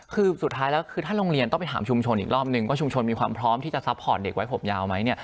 คือสุดท้ายแล้วคือถ้าโรงเรียนต้องไปถามชุมชนอีกรอบนึงว่าชุมชนมีความพร้อมที่จะซัพพอร์ตเด็กไว้ผมยาวไหมเนี่ย